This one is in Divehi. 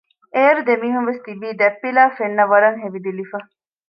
އޭރު ދެމީހުންވެސް ތިބީ ދަތްޕިލާ ފެންނަވަރަށް ހެވިދިލިފަ